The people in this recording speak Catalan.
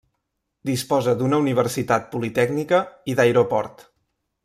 Disposa d'una universitat politècnica i d'aeroport.